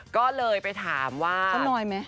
ก็เลยไปถามว่าเขาน้อยไหม